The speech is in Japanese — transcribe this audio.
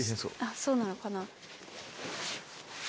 そうなのかな。